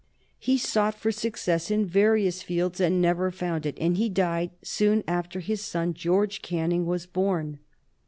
He sought for success in various fields and never found it, and he died soon after his son, George Canning, was born.